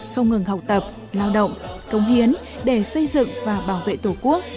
không ngừng học tập lao động công hiến để xây dựng và bảo vệ tổ quốc